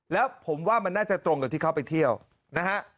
แล้วผมว่ามันน่าจะตรงกับที่เขาไปเที่ยวนะฮะ